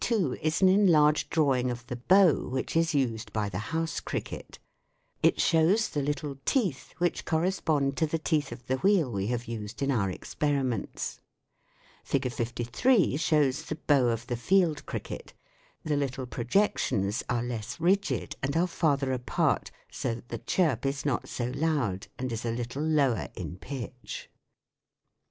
52 is an enlarged drawing of the " bow " which is used by the house cricket ; it shows the little teeth which cor respond to the teeth of the wheel we have used in our experiments. Fig. 53 shows the " bow " of the field cricket ; the little projections are less rigid and are farther apart so that the chirp is not so loud and is a little lower in pitch.